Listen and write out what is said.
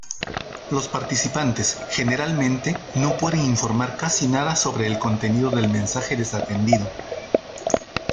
Los participantes generalmente no pueden informar casi nada sobre el contenido del mensaje desatendido.